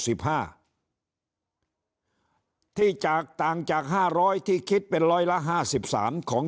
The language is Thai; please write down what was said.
สิบห้าที่จากต่างจากห้าร้อยที่คิดเป็นร้อยละห้าสิบสามของ